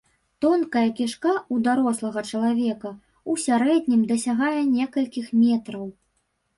Тонкая кішка у дарослага чалавека ў сярэднім дасягае некалькіх метраў.